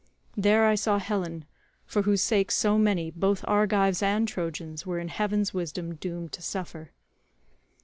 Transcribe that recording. There I saw Helen, for whose sake so many, both Argives and Trojans, were in heaven's wisdom doomed to suffer.